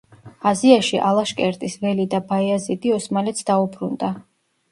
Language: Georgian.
აზიაში ალაშკერტის ველი და ბაიაზიდი ოსმალეთს დაუბრუნდა.